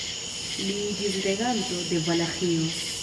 Li iĝis reganto de Valaĥio.